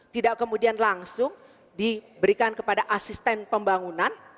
tidak kemudian langsung diberikan kepada asisten pembangunan